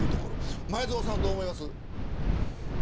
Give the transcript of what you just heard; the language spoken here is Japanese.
前園さんはどう思います。